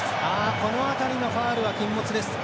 この辺りのファウルは禁物です。